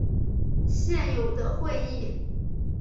现有的议会。